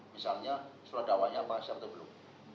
misalnya surat dakwahnya apa siapa atau belum